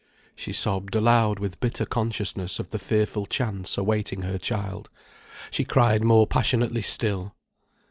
She sobbed aloud with bitter consciousness of the fearful chance awaiting her child. She cried more passionately still.